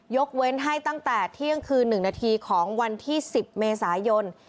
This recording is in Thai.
เว้นให้ตั้งแต่เที่ยงคืน๑นาทีของวันที่๑๐เมษายน